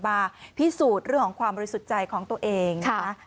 มาพิสูจน์เรื่องของความรู้สึกใจของตัวเอง